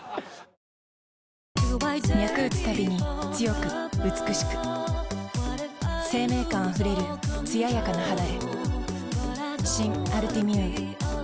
脈打つたびに強く美しく生命感あふれるつややかな肌へ新「アルティミューン」